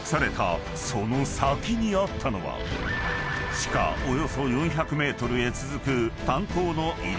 ［地下およそ４００ｍへ続く］